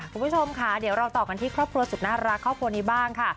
คุณผู้ชมค่ะเดี๋ยวเราต่อกันที่ครอบครัวสุดน่ารักครอบครัวนี้บ้างค่ะ